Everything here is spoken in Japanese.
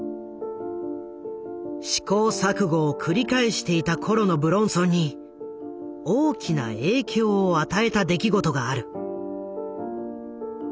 試行錯誤を繰り返していた頃の武論尊に大きな影響を与えた出来事がある。